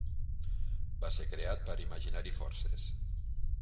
Va ser creat per Imaginary Forces.